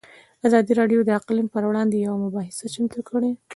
ازادي راډیو د اقلیم پر وړاندې یوه مباحثه چمتو کړې.